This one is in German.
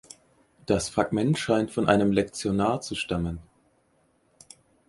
Das Fragment scheint von einem Lektionar zu stammen.